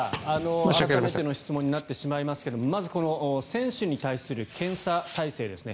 改めての質問になってしまいますがまず選手に対する検査体制ですね。